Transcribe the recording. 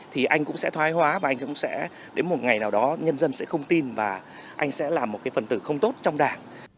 thì anh cũng sẽ thoái hóa và anh cũng sẽ đến một ngày nào đó nhân dân sẽ không tin và anh sẽ là một cái phần tử không tốt trong đảng